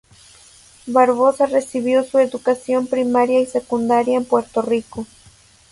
Barbosa recibió su educación primaria y secundaria en Puerto Rico.